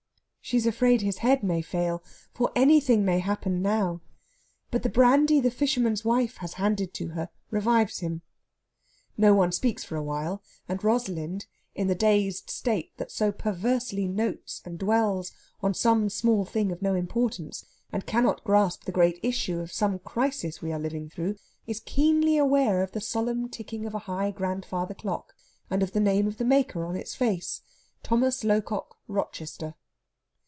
She is afraid his head may fail, for anything may happen now; but the brandy the fisherman's wife has handed to her revives him. No one speaks for awhile, and Rosalind, in the dazed state that so perversely notes and dwells on some small thing of no importance, and cannot grasp the great issue of some crisis we are living through, is keenly aware of the solemn ticking of a high grandfather clock, and of the name of the maker on its face "Thomas Locock, Rochester."